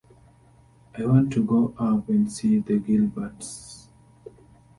I want to go up and see the Gilberts.